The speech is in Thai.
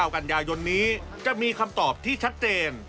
กันยายนนี้จะมีคำตอบที่ชัดเจน